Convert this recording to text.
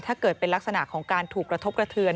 ถ้าเกิดเป็นลักษณะของการถูกกระทบกระเทือน